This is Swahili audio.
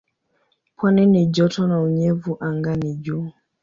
Pwani ni joto na unyevu anga ni juu.